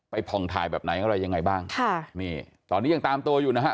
ผ่องถ่ายแบบไหนอะไรยังไงบ้างค่ะนี่ตอนนี้ยังตามตัวอยู่นะฮะ